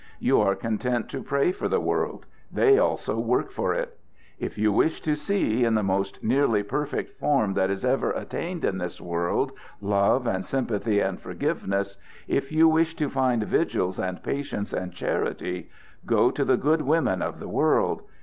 You are content to pray for the world, they also work for it. If you wish to see, in the most nearly perfect form that is ever attained in this world, love and sympathy and forgiveness, if you wish to find vigils and patience and charity go to the good women of the world.